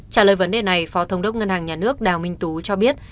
trả lời vấn đề này phó thống đốc ngân hàng nhà nước đào minh tú cho biết